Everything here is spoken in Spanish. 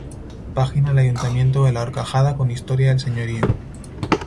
Página del Ayuntamiento de La Horcajada con historia del señorío